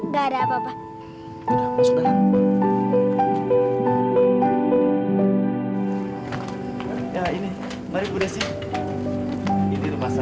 kalau mau tuh ambil pasti